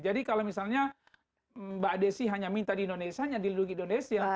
jadi kalau misalnya mbak desi hanya minta di indonesia hanya dilindungi di indonesia